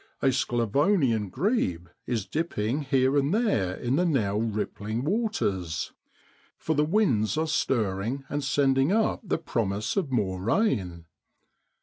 A Sclavonian grebe is dipping here and there in the now rippling waters, for the winds are stirring and sending up the promise of more rain.